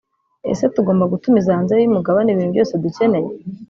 ese tugomba gutumiza hanze y’uyu mugabane ibintu byose dukeneye